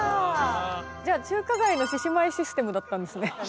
じゃあ中華街の獅子舞システムだったんですね。